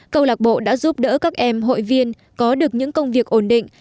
câu lạc bộ đã giúp đỡ các em hội viên có được những công việc ổn định